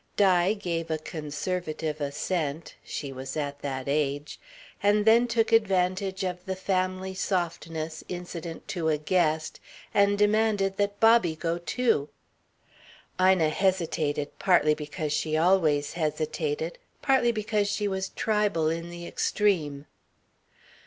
Di gave a conservative assent she was at that age and then took advantage of the family softness incident to a guest and demanded that Bobby go too. Ina hesitated, partly because she always hesitated, partly because she was tribal in the extreme.